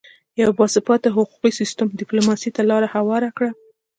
یو باثباته حقوقي سیستم ډیپلوماسي ته لاره هواره کړه